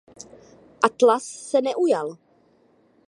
Atlas se neujal.